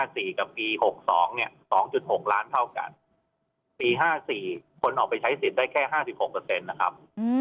ปีกับปี๖๒เนี่ย๒๖ล้านเท่ากันปี๕๔คนออกไปใช้สิทธิ์ได้แค่๕๖นะครับ